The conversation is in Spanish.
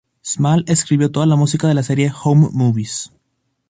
Small escribió toda la música de la serie "Home Movies".